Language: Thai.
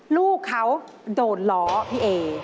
ลูกเขาโดนล้อพี่เอ